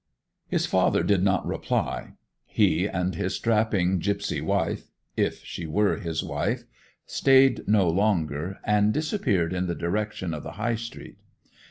His father did not reply. He and his strapping gipsy wife—if she were his wife—stayed no longer, and disappeared in the direction of the High Street.